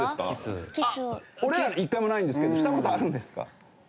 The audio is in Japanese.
俺ら一回もないんですけどした事あるんですか？